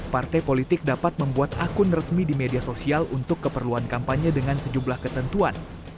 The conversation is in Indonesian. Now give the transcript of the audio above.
partai politik dapat membuat akun resmi di media sosial untuk keperluan kampanye dengan sejumlah ketentuan